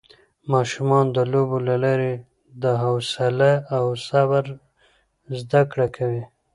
ماشومان د لوبو له لارې د حوصله او صبر زده کړه کوي